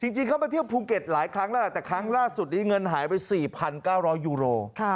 จริงเขามาเที่ยวภูเก็ตหลายครั้งแล้วล่ะแต่ครั้งล่าสุดนี้เงินหายไป๔๙๐๐ยูโร